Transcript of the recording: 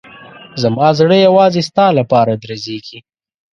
زما زړه یوازې ستا لپاره درزېږي.